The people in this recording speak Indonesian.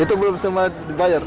itu belum dibayar